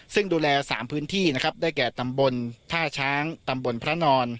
ซึ่งดูแล๓พื้นที่นะครับได้แก่ตำบลท่าช้างตำบลพระนอน